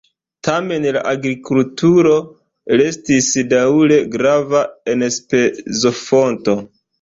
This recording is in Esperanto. Tamen la agrikulturo restis daŭre grava enspezofonto.